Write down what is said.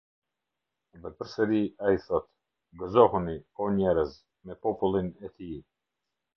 Dhe përsëri ai thotë: "Gëzohuni, o njerëz, me popullin e tij".